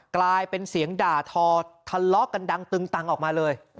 กลายเป็นเสียงด่าทอทะเลาะกันดังตึงตังออกมาเลย